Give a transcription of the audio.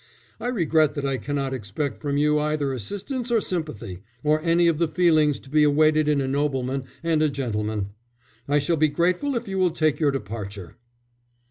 "I regret that I cannot expect from you either assistance or sympathy, or any of the feelings to be awaited in a nobleman and a gentleman. I shall be grateful if you will take your departure."